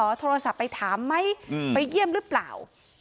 โทรศัพท์ไปถามไหมไปเยี่ยมหรือเปล่า